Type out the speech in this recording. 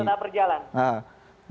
ya tetap berjalan